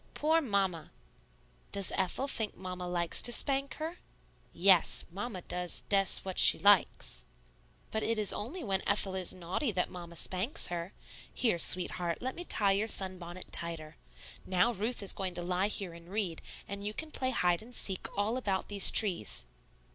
Poor Mamma!" "Does Ethel think Mamma likes to spank her?" "Yes; Mamma does des what she likes." "But it is only when Ethel is naughty that Mamma spanks her. Here, sweetheart, let me tie your sunbonnet tighter. Now Ruth is going to lie here and read, and you can play hide and seek all about these trees."